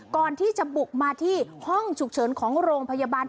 ก่อนที่จะบุกมาที่ห้องฉุกเฉินของโรงพยาบาล